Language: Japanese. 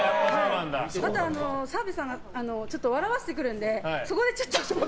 あと、澤部さんが笑わせてくるのでそこでちょっと。